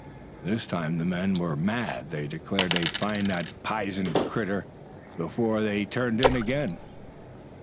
This time the men were mad. They declared they'd find the "pizen critter" before ever they turned in again.